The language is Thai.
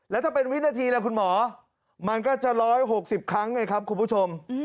แล้วถ้าเป็นวินาทีล่ะคุณหมอมันก็จะ๑๖๐ครั้งไงครับคุณผู้ชม